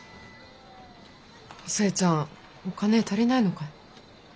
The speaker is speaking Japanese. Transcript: お寿恵ちゃんお金足りないのかい？